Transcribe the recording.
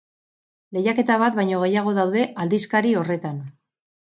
Lehiaketa bat baino gehiago daude aldizkari horretan.